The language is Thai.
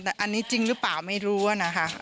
แต่อันนี้จริงหรือเปล่าไม่รู้อะนะคะ